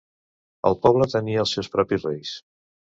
El poble tenia els seus propis reis.